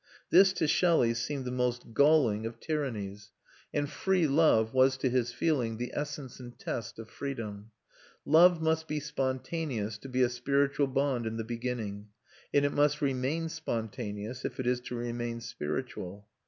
This, to Shelley, seemed the most galling of tyrannies; and free love was, to his feeling, the essence and test of freedom. Love must be spontaneous to be a spiritual bond in the beginning and it must remain spontaneous if it is to remain spiritual.